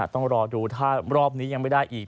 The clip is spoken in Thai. ต้องรอดูถ้ารอบนี้ยังไม่ได้อีก